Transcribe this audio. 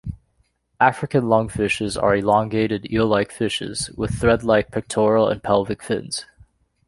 African lungfishes are elongated, eel-like fishes, with thread-like pectoral and pelvic fins.